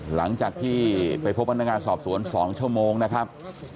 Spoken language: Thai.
หลังจากที่ไปพบพนักงานสอบสวน๒ชั่วโมงนะครับ